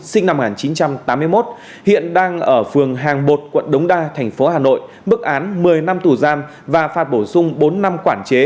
sinh năm một nghìn chín trăm tám mươi một hiện đang ở phường hàng một quận đống đa thành phố hà nội mức án một mươi năm tù giam và phạt bổ sung bốn năm quản chế